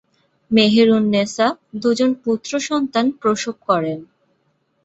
মেহের উন নেসা দুইজন পুত্র সন্তান প্রসব করেন।